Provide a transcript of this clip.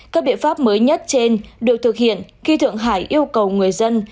các biện pháp mới nhất trên được thực hiện khi thượng hải yêu cầu người dân